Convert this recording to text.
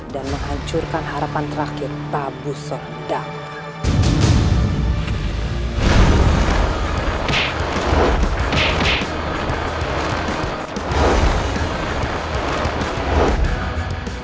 dan menghancurkan harapan terakhir tabusodaka